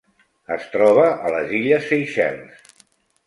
Es troba a les illes Seychelles.